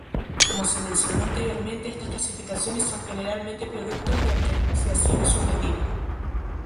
Como se mencionó anteriormente, estas clasificaciones son generalmente productos de apreciaciones subjetivas.